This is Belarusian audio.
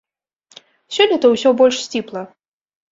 Сёлета ўсё больш сціпла.